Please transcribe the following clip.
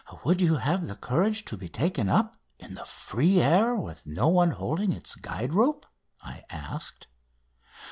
"Would you have the courage to be taken up in the free air ship with no one holding its guide rope?" I asked.